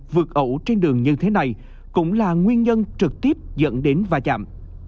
vượt ẩu trên đường như thế này cũng là nguyên nhân trực tiếp dẫn đến va chạm